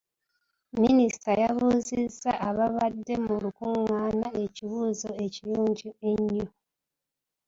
Minisita yabuuzizza abaabdde mu lukungaana ekibuuzo ekirungi ennyo.